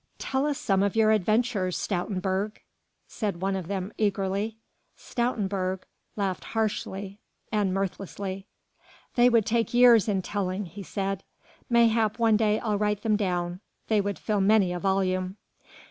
"Tell us some of your adventures, Stoutenburg!" said one of them eagerly. Stoutenburg laughed harshly and mirthlessly. "They would take years in telling," he said, "mayhap one day I'll write them down. They would fill many a volume."